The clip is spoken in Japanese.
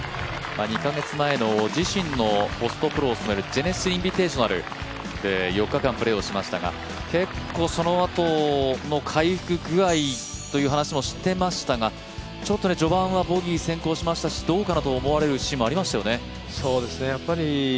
２か月前の自身がホストプロを務めるジェネシス・インビテーショナル４日間プレーしましたが結構、そのあとの回復具合という話もしてましたがちょっと序盤はボギー先行しましたし、どうかなと思われるシーンありましたよね。